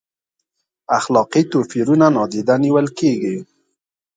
اخلاقي توپیرونه نادیده نیول کیږي؟